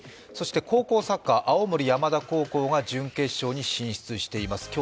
そして高校サッカー、青森山田高校が準決勝に進出しています。